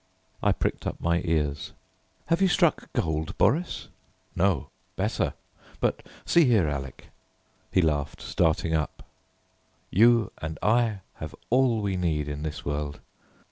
I pricked up my ears. "Have you struck gold, Boris?" "No, better; but see here, Alec!" he laughed, starting up. "You and I have all we need in this world.